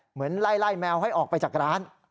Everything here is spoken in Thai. เหมือนไล่แมวให้ออกไปจากร้าน